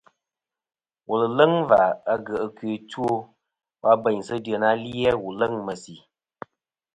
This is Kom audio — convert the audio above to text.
Wùl ɨ̀ leŋ và agyèʼ ɨkœ ɨ two wa bèynsɨ dyèyn ali-a wù leŋ ɨ̀ mèsì.